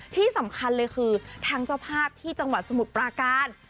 ที่สำคัญเลยคือทางเจ้าภาพที่จังหวัดสมุทรปราการ